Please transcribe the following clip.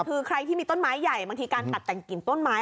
คือใครที่มีต้นไม้ใหญ่บางทีการตัดแต่งกลิ่นต้นไม้